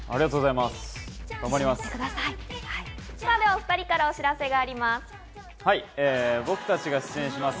お２人からお知らせがあります。